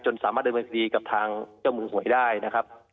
สามารถดำเนินคดีกับทางเจ้ามือหวยได้นะครับ